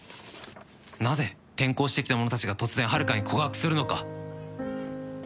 なぜ転校してきた者たちが突然遙に告白するのか。